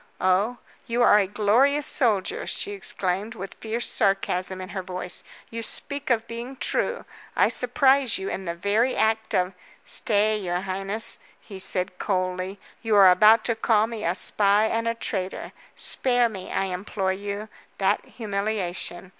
"Oh? you are a glorious soldier," she exclaimed, with fierce sarcasm in her voice. "You speak of being true! I surprise you in the very act of " "Stay, your highness!" he said coldly. "You are about to call me a spy and a traitor. Spare me, I implore you, that humiliation.